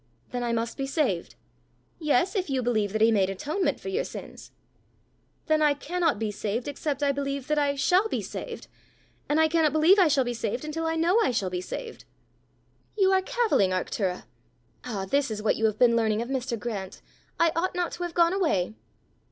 "Then I must be saved!" "Yes, if you believe that he made atonement for your sins." "Then I cannot be saved except I believe that I shall be saved. And I cannot believe I shall be saved until I know I shall be saved!" "You are cavilling, Arctura! Ah, this is what you have been learning of Mr. Grant! I ought not to have gone away!"